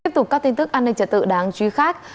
tiếp tục các tin tức an ninh trật tự đáng truy khắc